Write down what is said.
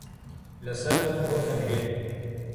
لەسەر دڵم بۆتە گرێ.